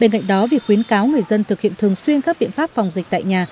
bên cạnh đó việc khuyến cáo người dân thực hiện thường xuyên các biện pháp phòng dịch tại nhà